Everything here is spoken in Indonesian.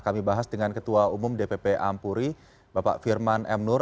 kami bahas dengan ketua umum dpp ampuri bapak firman m nur